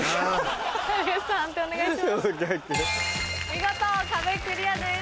見事壁クリアです。